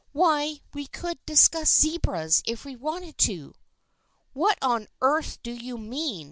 Why, we could discuss zebras if we wanted to." " What on earth do you mean